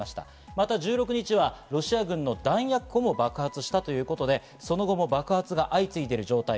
また１６日、ロシア軍の弾薬庫も爆発したということで、その後も爆発が相次いでいる状態。